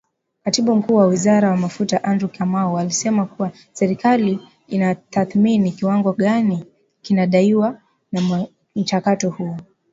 Katibu Mkuu wa Wizara ya Mafuta Andrew Kamau alisema kuwa serikali inatathmini kiwango gani kinadaiwa na mchakato huo